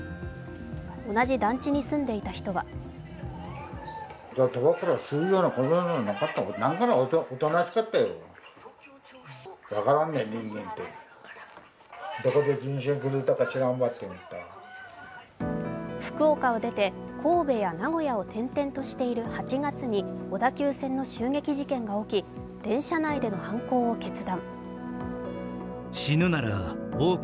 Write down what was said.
同じ団地に住んでいた人は福岡を出て神戸や名古屋を転々としている８月に小田急線の襲撃事件が起き、電車内での犯行を決断。